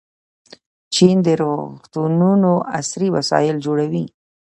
چین د روغتونونو عصري وسایل جوړوي.